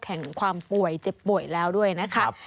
แห่งความป่วยเจ็บป่วยแล้วด้วยนะคะ